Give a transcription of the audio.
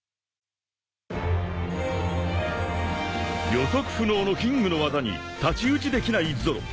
［予測不能のキングの技に太刀打ちできないゾロ］